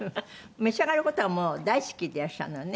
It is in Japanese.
召し上がる事がもう大好きでいらっしゃるのよね。